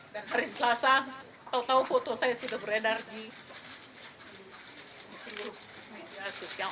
dan hari selasa tau tau foto saya sudah beredar di media sosial